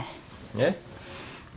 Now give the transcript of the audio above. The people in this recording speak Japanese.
えっ？